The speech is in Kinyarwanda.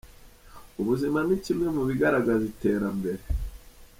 Ubuzima ni kimwe mu bigaragaza iterambere.